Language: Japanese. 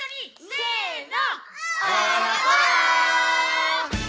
せの！